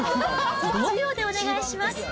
５秒でお願いします。